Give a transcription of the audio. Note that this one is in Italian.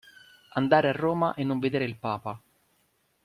Andare a Roma e non vedere il Papa.